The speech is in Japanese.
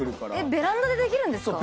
ベランダでできるんですか？